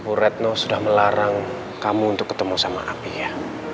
bu retno sudah melarang kamu untuk ketemu sama api ya